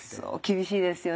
厳しいですよ。